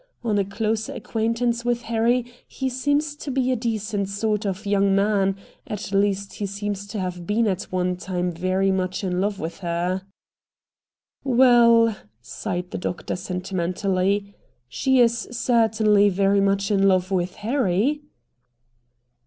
On a closer acquaintance with Harry he seems to be a decent sort of a young man; at least he seems to have been at one time very much in love with her." "Well," sighed the doctor sentimentally, "she is certainly very much in love with Harry."